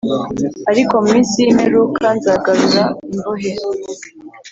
Ariko mu minsi y imperuka nzagarura imbohe